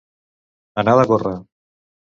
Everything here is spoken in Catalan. Anar de gorra.